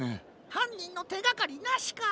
はんにんのてがかりなしか。